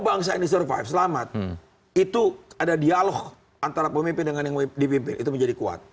bangsa ini survive selamat itu ada dialog antara pemimpin dengan yang dipimpin itu menjadi kuat